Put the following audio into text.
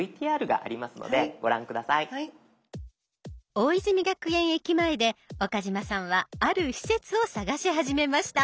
大泉学園駅前で岡嶋さんはある施設を探し始めました。